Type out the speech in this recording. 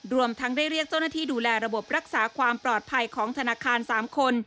รวมทั้งได้เรียกเจ้าหน้าที่ดูแลระบบรักษาความปลอดภัยของธนาคาร๓คน